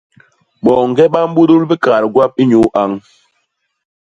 Boñge ba mbudul bikaat gwap inyuu añ.